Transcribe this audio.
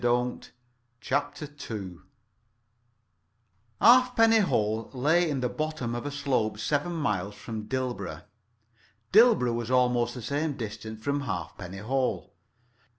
[Pg 4 5] CHAPTER II Halfpenny Hole lay in the bottom of a slope seven miles from Dilborough. Dilborough was almost the same distance from Halfpenny Hole.